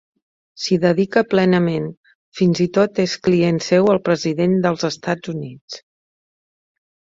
S'hi dedica plenament i fins i tot és client seu el president dels Estats Units.